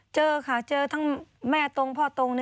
เจอค่ะเจอทั้งแม่ตรงพ่อตรง